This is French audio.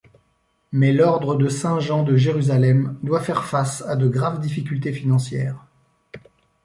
Mais l'ordre de Saint-Jean de Jérusalem doit faire face à de graves difficultés financières.